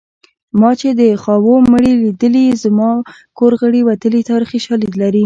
ما چې د خاوو مړي لیدلي زما کور غړي وتلي تاریخي شالید لري